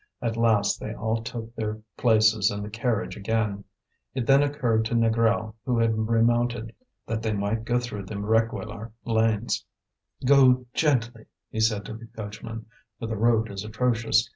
At last they all took their places in the carriage again. It then occurred to Négrel, who had remounted, that they might go through the Réquillart lanes. "Go gently," he said to the coachman, "for the road is atrocious.